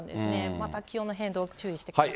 また気温の変動、注意してください。